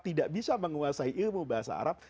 tidak bisa menguasai ilmu bahasa arab